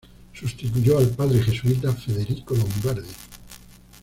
Sustituyó al padre jesuita Federico Lombardi.